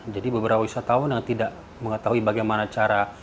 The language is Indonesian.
jadi beberapa wisatawan yang tidak mengetahui bagaimana cara